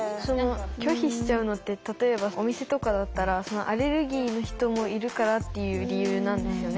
拒否しちゃうのって例えばお店とかだったらアレルギーの人もいるからっていう理由なんですよね？